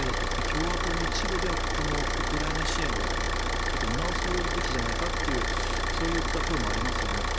共和党の一部ではこのウクライナ支援を見直すべきじゃないかというそういった声もありますよねと。